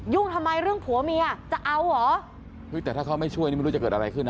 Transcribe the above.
ทำไมเรื่องผัวเมียจะเอาเหรอเฮ้ยแต่ถ้าเขาไม่ช่วยนี่ไม่รู้จะเกิดอะไรขึ้นนะ